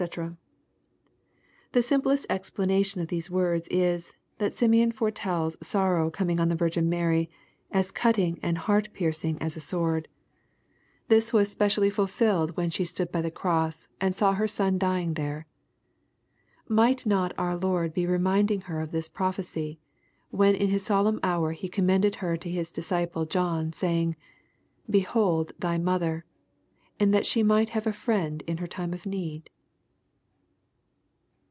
] The simplest explanation of these words is, that Simeon foretells sorrow coming on the Virgin Mary, as cutting and heart piercing as a sword. This was spe 72 EXPOSITORY THOUGHTS. cially fulfilled when she stood by the cross, and saw her Son djijug there. Might not our Lord be reminding her of this prophecy, when in that solemn hour He commended her to His disciple John, saying, " Behold thy mother," — in order that she might have a friend in )ier time of need